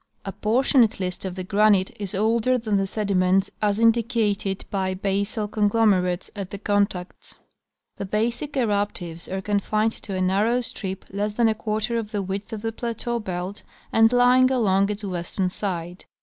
A portion at least of the granite is older than the sediments as indicated by basal conglomerates Complex geologic Structure. 139 at the contacts. The basic eruptives are confined to a narrow strip less than a quarter of the width of tlie plateau belt and lying along its western side.